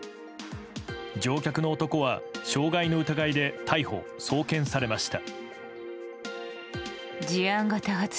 乗客の男は傷害の疑いで逮捕・送検されました。